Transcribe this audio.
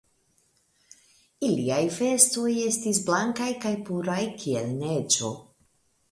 Iliaj vestoj estis blankaj kaj puraj kiel neĝo.